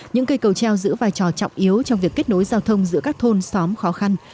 những cây cầu treo giữ vai trò trọng yếu trong việc kết nối giao thông giữa các thôn xóm khó khăn